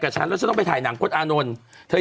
เป็นการกระตุ้นการไหลเวียนของเลือด